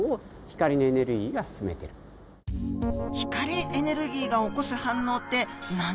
光エネルギーが起こす反応って何でしょう？